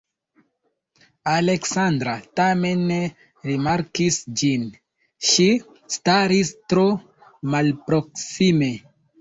Aleksandra tamen ne rimarkis ĝin; ŝi staris tro malproksime.